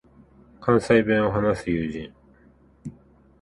関西弁を話す友人